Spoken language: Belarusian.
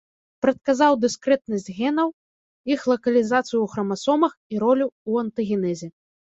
Прадказаў дыскрэтнасць генаў, іх лакалізацыю ў храмасомах і ролю ў антагенезе.